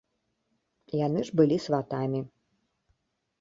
Яны ж былі сватамі.